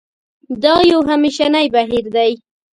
دا یو همېشنی بهیر دی.